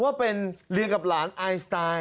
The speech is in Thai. ว่าเป็นเรียนกับหลานไอสไตล์